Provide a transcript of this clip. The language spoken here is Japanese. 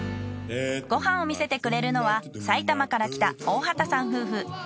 ご飯を見せてくれるのは埼玉から来た大畑さん夫婦。